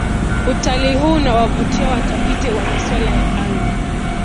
utatalii huu unawavutia watafiti wa maswala ya anga